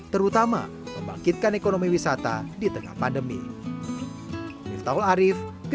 terutama membangkitkan ekonomi wisata di tengah pandemi